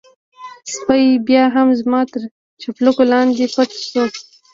سپی بيا هم زما تر چپلکو لاندې پټ شو.